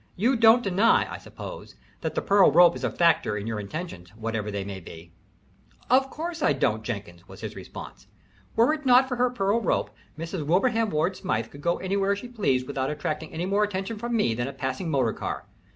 "You don't deny, I suppose, that the pearl rope is a factor in your intentions, whatever they may be." "Of course I don't, Jenkins," was his response. "If it were not for her pearl rope, Mrs. Wilbraham Ward Smythe could go anywhere she pleased without attracting any more attention from me than a passing motor car.